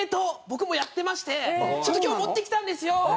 僕もやってましてちょっと今日持ってきたんですよ。